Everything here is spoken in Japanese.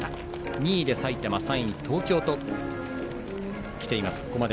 ２位は埼玉３位は東京と来ています。